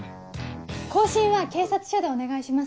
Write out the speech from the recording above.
更新は警察署でお願いします。